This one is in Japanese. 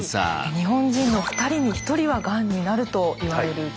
日本人の２人に１人はがんになるといわれる時代。